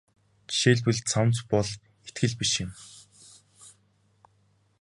Жишээлбэл цамц бол итгэл биш юм.